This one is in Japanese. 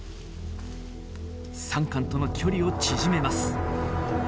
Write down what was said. サンカンとの距離を縮めます。